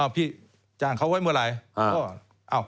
พี่จ้างเขาไว้เมื่อไหร่